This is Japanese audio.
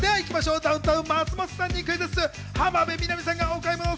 ダウンタウン・松本さんにクイズッス。